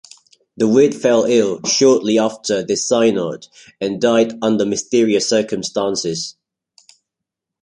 Dawit fell ill shortly after this synod, and died under mysterious circumstances.